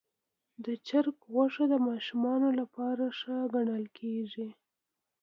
د چرګ غوښه د ماشومانو لپاره ښه ګڼل کېږي.